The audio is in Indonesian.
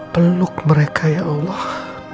peluk mereka ya allah